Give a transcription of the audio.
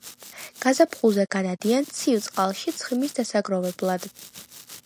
გაზაფხულზე გადადიან ცივ წყალში ცხიმის დასაგროვებლად.